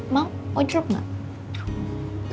mau ujrop gak